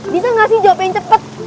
bisa gak sih jawab yang cepet